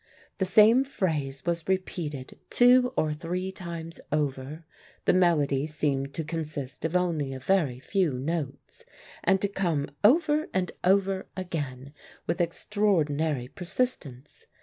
The same phrase was repeated two or three times over, the melody seemed to consist of only a very few notes, and to come over and over again with extraordinary persistence.